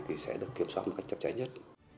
thì sẽ được kiểm soát một cách chặt chẽ nhất